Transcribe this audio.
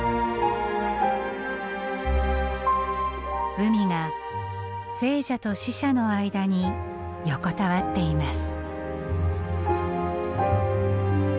海が生者と死者の間に横たわっています。